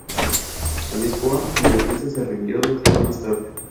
Lisboa, indefensa, se rindió dos días más tarde.